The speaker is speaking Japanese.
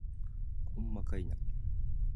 ほんまかいな